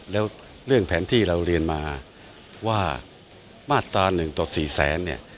แล้วเรื่องแผนที่เราเรียนมาว่ามาตรา๑ต่อ๔แสนเนี่ย